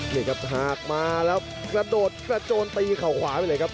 หากมาแล้วกระโดดคลาดโจรตีเขาขวาไปเลยครับ